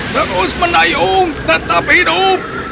terus mendayung tetap hidup